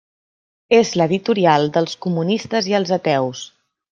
És l'editorial dels comunistes i els ateus.